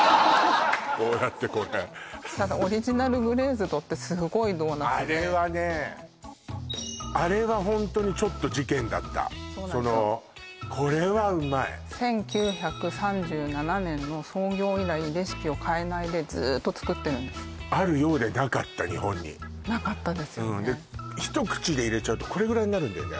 こうやってこれただオリジナル・グレーズドってすごいドーナツであれはねあれはホントにちょっと事件だったそのこれはうまい１９３７年の創業以来レシピを変えないでずーっと作ってるんですあるようでなかった日本になかったですよねで一口で入れちゃうとこれぐらいになるんだよね